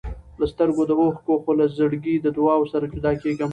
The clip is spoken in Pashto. له سترګو د اوښکو، خو له زړګي د دعاوو سره جدا کېږم.